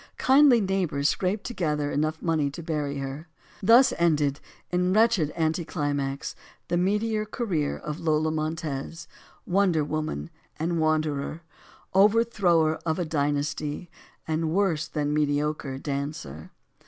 Kindly neighbors scraped together enough money to bury her. Thus ended in wretched anticlimax the meteor career of Lola Montez; Wonder Woman and wanderer; over thrower of a dynasty and worse than mediocre dancer.